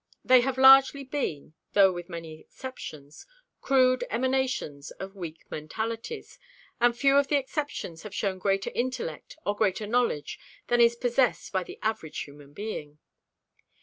They have largely been, though with many exceptions, crude emanations of weak mentalities, and few of the exceptions have shown greater intellect or greater knowledge than is possessed by the average human being.